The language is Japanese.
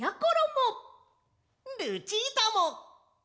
ルチータも！